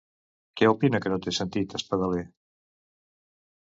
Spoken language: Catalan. Què opina que no té sentit, Espadaler?